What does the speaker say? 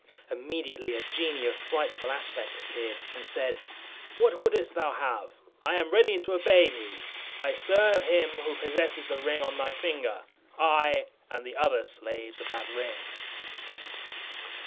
Immediately a genie of frightful aspect appeared, and said, "What wouldst thou have? I am ready to obey thee. I serve him who possesses the ring on thy finger; I, and the other slaves of that ring."